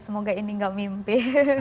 semoga ini enggak mimpi